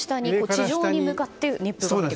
地上に向かって熱風がと。